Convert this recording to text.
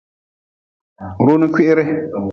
Runi kwihri.